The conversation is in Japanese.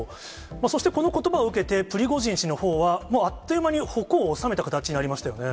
そしてこのことばを受けて、プリゴジン氏のほうは、もうあっという間に矛を収めた形になりましたよね。